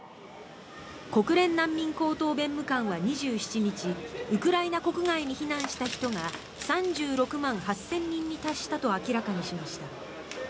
国連難民高等弁務官は２７日ウクライナ国外に避難した人が３６万８０００人に達したと明らかにしました。